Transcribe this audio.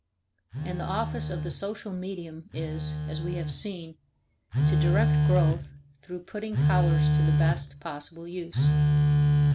And the office of the social medium is, as we have seen, to direct growth through putting powers to the best possible use.